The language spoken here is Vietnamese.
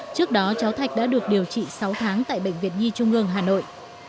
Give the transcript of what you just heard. trước đó cháu thạch đã được điều trị sáu tháng tại bệnh viện nhi trung ương hà nội